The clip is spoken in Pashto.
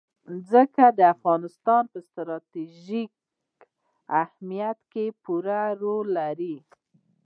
ځمکه د افغانستان په ستراتیژیک اهمیت کې پوره رول لري.